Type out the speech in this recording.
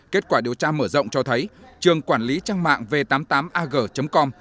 kết quả điều tra mở rộng cho thấy trường quản lý trang mạng v tám mươi tám ag com